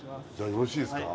よろしいですか？